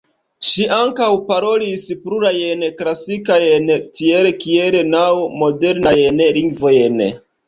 Ŝi ankaŭ parolis plurajn klasikajn tiel kiel naŭ modernajn lingvojn.